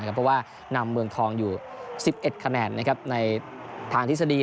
เพราะว่านำเมืองทองอยู่๑๑คะแนนในทางทฤษฎี